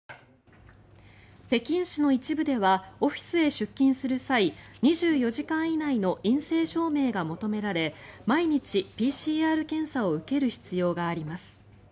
北京市の一部ではオフィスへ出勤する際２４時間以内の陰性証明が求められ毎日、ＰＣＲ検査を受ける必要があります。